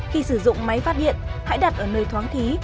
khi sử dụng máy phát điện hãy đặt ở nơi thoáng khí